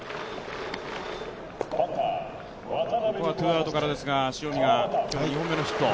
ツーアウトからですが、塩見が今日２本目のヒット。